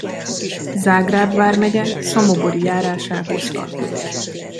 Zágráb vármegye Szamobori járásához tartozott.